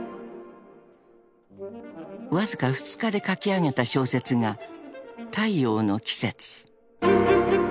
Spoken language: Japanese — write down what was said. ［わずか２日で書き上げた小説が『太陽の季節』］